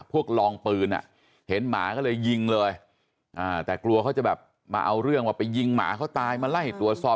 ลองปืนอ่ะเห็นหมาก็เลยยิงเลยแต่กลัวเขาจะแบบมาเอาเรื่องว่าไปยิงหมาเขาตายมาไล่ตรวจสอบ